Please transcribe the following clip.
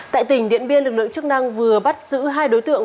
tại tỉnh điện biên lực lượng chức năng vừa bắt giữ hai đối tượng